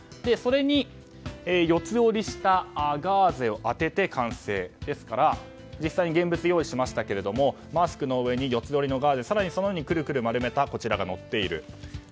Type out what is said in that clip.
それに四つ折りしたガーゼを当てて完成ですから実際に現物を用意しましたがマスクの上に四つ折りのガーゼその上にくるくる丸めたこちらが載っている。